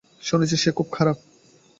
শুনেছি সে খুব খারাপ।